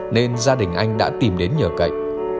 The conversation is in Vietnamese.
nên gia đình anh đã tìm đến nhờ cây